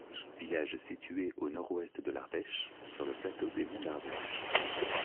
Village situé au nord-ouest de l'Ardèche, sur le plateau des monts d'Ardèche.